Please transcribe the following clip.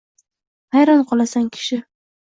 hayron qolasan kishi.